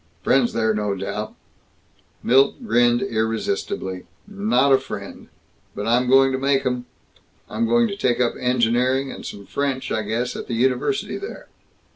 "Friends there, no doubt?" Milt grinned irresistibly. "Not a friend. But I'm going to make 'em. I'm going to take up engineering, and some French, I guess, at the university there."